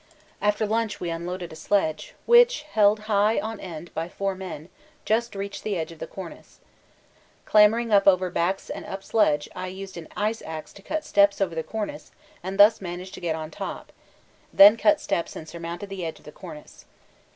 After lunch we unloaded a sledge, which, held high on end by four men, just reached the edge of the cornice. Clambering up over backs and up sledge I used an ice axe to cut steps over the cornice and thus managed to get on top, then cut steps and surmounted the edge of the cornice.